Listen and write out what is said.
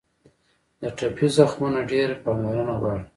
د ټپي زخمونه ډېره پاملرنه غواړي.